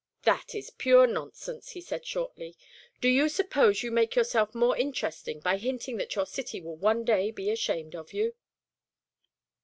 "That is pure nonsense," he said, shortly. "Do you suppose you make yourself more interesting by hinting that your city will one day be ashamed of you?"